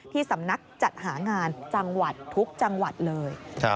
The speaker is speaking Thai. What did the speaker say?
ที่สำนักจัดหางานจังหวัดทุกจังหวัดเลย